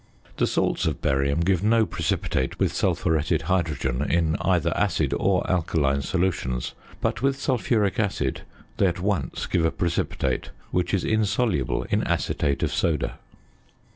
The salts of barium give no precipitate with sulphuretted hydrogen in either acid or alkaline solution, but with sulphuric acid they at once give a precipitate, which is insoluble in acetate of soda.